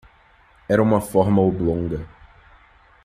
Era uma forma oblonga.